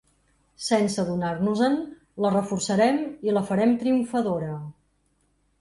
Sense adonar-nos-en, la reforçarem i la farem triomfadora.